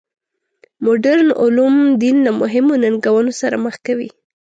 مډرن علوم دین له مهمو ننګونو سره مخ کوي.